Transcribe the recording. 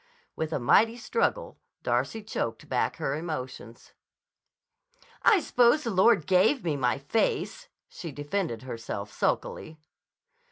With a mighty struggle, Darcy choked back her emotions. "I suppose the Lord gave me my face," she defended herself sulkily.